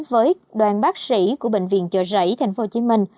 với đoàn bác sĩ của bệnh viện chợ rẫy tp hcm